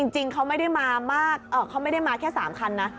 จริงเขาไม่ได้มามากเขาไม่ได้มาแค่๓คันนะ